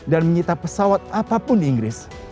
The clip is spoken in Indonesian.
dan menyita pesawat apapun di inggris